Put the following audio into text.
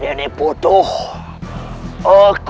dia akan memiliki banyak kerjalekan